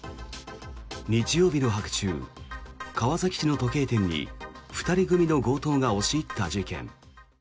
日曜日の白昼、川崎市の時計店に２人組の強盗が押し入った事件。